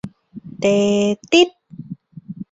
เต-ติ๊ด !